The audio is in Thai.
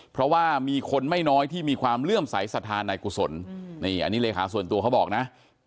เพราะว่ามีคนไม่น้อยที่มีความเลื่อมใสสัทธาในกุศลนี่อันนี้เลขาส่วนตัวเขาบอกนะ